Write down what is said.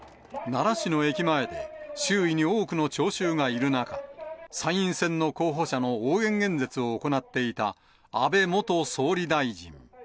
奈良市の駅前で、周囲に多くの聴衆がいる中、参院選の候補者の応援演説を行っていた安倍元総理大臣。